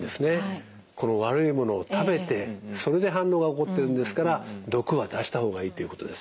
悪いものを食べてそれで反応が起こってるんですから毒は出した方がいいっていうことです。